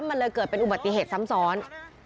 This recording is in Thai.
มันเลยเกิดเป็นอุบัติเหตุซ้ำซ้อน